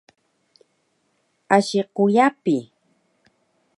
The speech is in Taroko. asi kyapi!